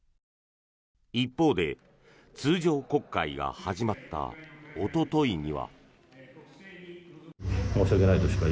一方で通常国会が始まったおとといには。